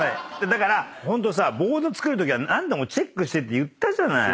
だからホントさボード作るときは何度もチェックしてって言ったじゃない。